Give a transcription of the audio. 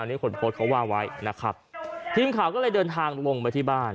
นี่คนโพสต์เขาว่าไว้นะครับทีมข่าวก็เลยเดินทางลงไปที่บ้าน